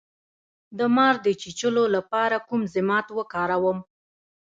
د مار د چیچلو لپاره کوم ضماد وکاروم؟